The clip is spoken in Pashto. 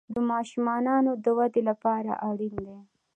د ماشومانو د ودې لپاره اړین دي.